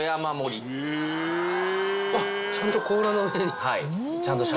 ちゃんと甲羅の上に。